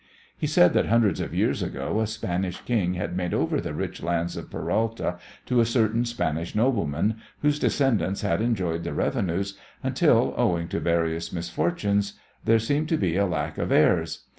He said that hundreds of years ago a Spanish king had made over the rich lands of Peralta to a certain Spanish nobleman, whose descendants had enjoyed the revenues, until, owing to various misfortunes, there seemed to be a lack of heirs.